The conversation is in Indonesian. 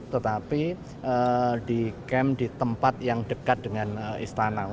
tetapi di camp di tempat yang dekat dengan istana